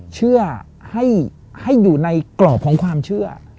เชื่อให้อยู่ในกรอบของความเชื่อ